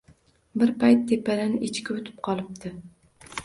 Bir payt tepadan Echki o‘tib qolibdi